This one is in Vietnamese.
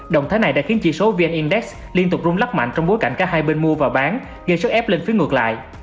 động thái này đã khiến chỉ số vn index liên tục rung lắc mạnh trong bối cảnh cả hai bên mua và bán gây sức ép lên phía ngược lại